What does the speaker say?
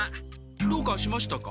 どうかしましたか？